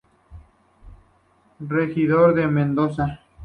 Regidor de Mendoza.